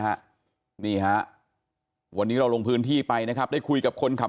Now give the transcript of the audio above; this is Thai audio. ฮะนี่ฮะวันนี้เราลงพื้นที่ไปนะครับได้คุยกับคนขับ